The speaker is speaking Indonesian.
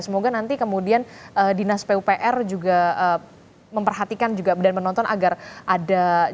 semoga nanti kemudian dinas pupr juga memperhatikan juga dan menonton agar ada